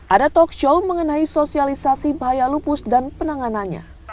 ada talk show mengenai sosialisasi bahaya lupus dan penanganannya